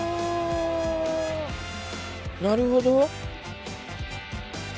なるほど。